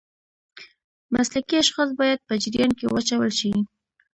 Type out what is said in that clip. مسلکي اشخاص باید په جریان کې واچول شي.